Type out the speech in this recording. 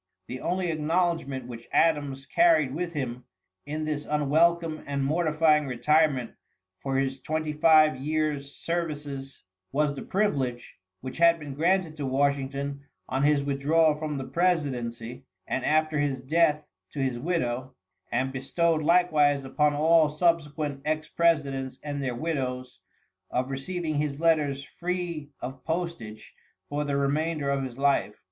The only acknowledgment which Adams carried with him, in this unwelcome and mortifying retirement for his twenty five years' services was the privilege, which had been granted to Washington on his withdrawal from the presidency, and after his death to his widow, and bestowed likewise upon all subsequent ex presidents and their widows, of receiving his letters free of postage for the remainder of his life.